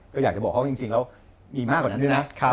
ก็อยากจะบอกเขาจริงแล้วมีมากกว่านั้นด้วยนะ